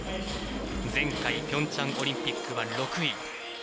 前回ピョンチャンオリンピックは６位。